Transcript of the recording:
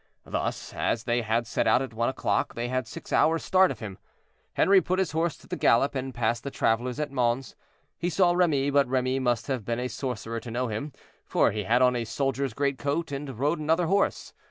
Thus, as they had set out at one o'clock, they had six hours' start of him. Henri put his horse to the gallop and passed the travelers at Mons. He saw Remy; but Remy must have been a sorcerer to know him, for he had on a soldier's great coat and rode another horse.